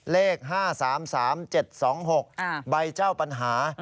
เลข๕๓๓๗๒๖ใบเจ้าปัญหา